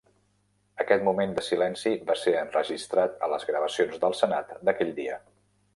Aquest moment de silenci va ser enregistrat a les gravacions del Senat d'aquell dia.